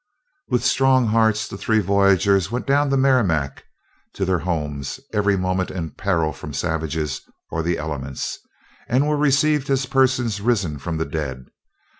"With strong hearts, the three voyagers went down the Merrimac to their homes, every moment in peril from savages or the elements, and were received as persons risen from the dead.